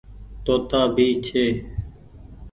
توتآ ڀي ڇي۔